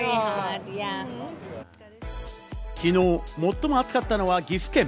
きのう最も暑かったのは岐阜県。